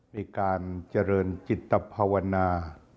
มีการเจริญจิตภาวนา